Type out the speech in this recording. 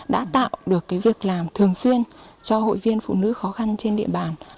đã tạo được việc làm thường xuyên cho hội viên phụ nữ khó khăn trên địa bàn